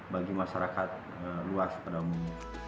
bagi masyarakat luas pada umumnya